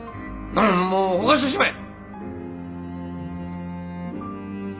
もうほかしてしまえ！